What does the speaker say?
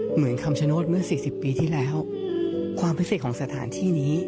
เหมือนคำชโนธเมื่อสี่สิบปีที่แล้วความพิเศษของสถานที่นี้